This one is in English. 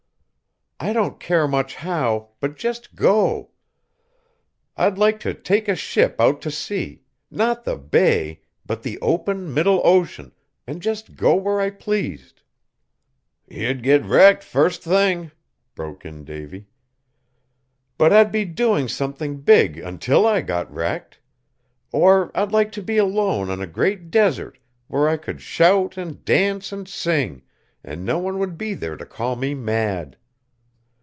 I don't care much how, but just go! I'd like to take a ship out to sea, not the bay but the open, middle ocean, and go just where I pleased." "Ye'd get wrecked fust thing!" broke in Davy. "But I'd be doing something big until I got wrecked. Or I'd like to be alone on a great desert where I could shout and dance and sing, and no one would be there to call me mad."